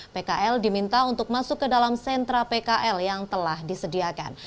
pkl diminta untuk masuk ke dalam sentra pkl yang telah disediakan